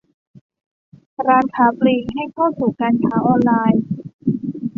ร้านค้าปลีกให้เข้าสู่การค้าออนไลน์